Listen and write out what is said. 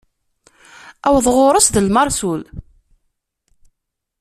Aweḍ ɣur-s d lmeṛsul.